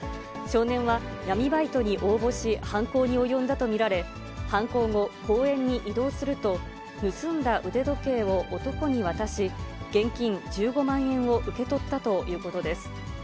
少年は闇バイトに応募し、犯行に及んだと見られ、犯行後、公園に移動すると、盗んだ腕時計を男に渡し、現金１５万円を受け取ったということです。